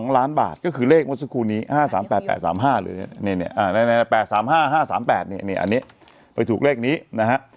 ๒ล้านบาทก็คือเลขเมื่อสักครู่นี้๕๓๘๘๓๕หรือ๘๓๕๕๓๘อันนี้ไปถูกเลขนี้นะฮะ